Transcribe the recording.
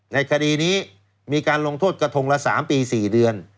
ในคดีนี้มีการลงโทษกระทงละ๓ปี๔เดือน